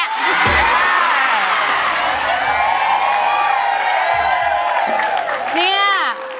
พี่นี้